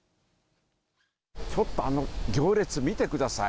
ちょっとあの行列見てください。